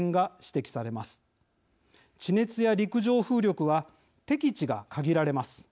地熱や陸上風力は適地が限られます。